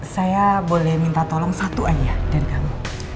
saya boleh minta tolong satu aja dari kamu